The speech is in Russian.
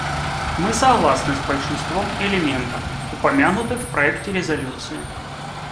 Мы согласны с большинством элементов, упомянутых в проекте резолюции.